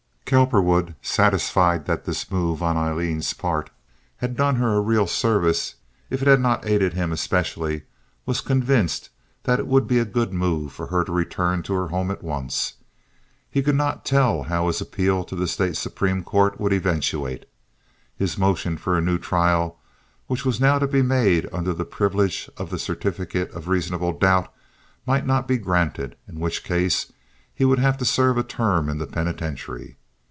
Cowperwood, satisfied that this move on Aileen's part had done her a real service if it had not aided him especially, was convinced that it would be a good move for her to return to her home at once. He could not tell how his appeal to the State Supreme Court would eventuate. His motion for a new trial which was now to be made under the privilege of the certificate of reasonable doubt might not be granted, in which case he would have to serve a term in the penitentiary.